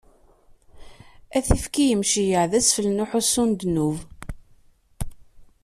Ad t-ifk i yimceyyeɛ d asfel n uḥussu n ddnub.